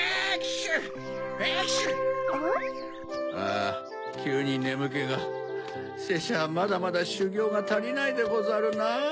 あきゅうにねむけがせっしゃまだまだしゅぎょうがたりないでござるな。